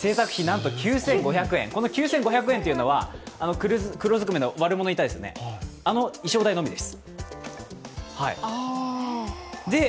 ９５００円というのは、黒ずくめの悪者いましたよね、あの衣装代のみです。